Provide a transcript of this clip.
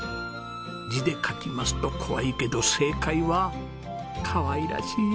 字で書きますと怖いけど正解はかわいらしい